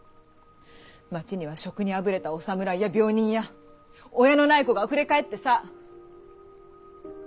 町には職にあぶれたお侍や病人や親のない子があふれかえってさ。